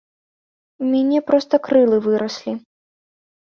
У мяне проста крылы выраслі.